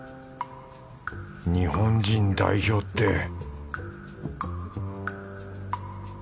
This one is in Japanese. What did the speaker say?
日本人代表って